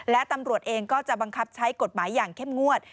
และตำรวจเองก็จะบังคับใช้กฎหมายอย่างเข้มงวด